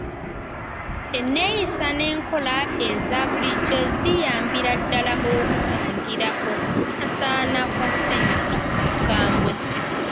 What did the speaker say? Enneeyisa n’enkola eza bulijjo ziyambira ddala okutangira okusaasaana kwa ssennyiga omukambwe.